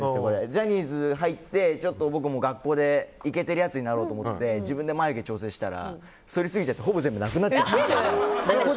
ジャニーズに入って、学校でいけてるやつになろうと思って自分で眉毛を調整したら剃りすぎちゃってほぼ全部なくなっちゃったんです。